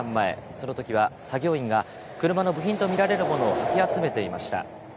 そのときは作業員が車の部品と見られるものをかき集めていました。